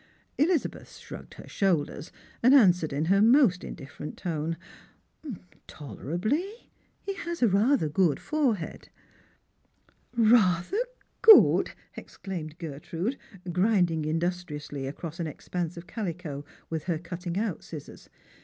Elizabeth shrugged her shoulders, and answered in her most indiflferent tone : Strangers and Pilgrims. ,j "" Tolerably ! He has rather a good forehead; " Eatlier good !" exclaimed Gertrude, grinding industriously across an expanse of calico with her cutting out scissors.